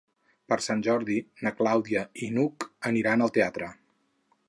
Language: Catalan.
Per Sant Jordi na Clàudia i n'Hug aniran al teatre.